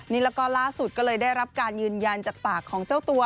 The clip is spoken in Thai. นี่แล้วก็ล่าสุดก็เลยได้รับการยืนยันจากปากของเจ้าตัว